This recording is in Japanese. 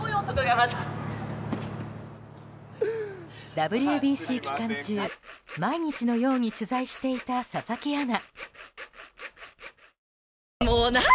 ＷＢＣ期間中、毎日のように取材していた佐々木アナ。